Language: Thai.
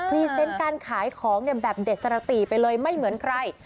รีเซนต์การขายของแบบเด็ดสรติไปเลยไม่เหมือนใคร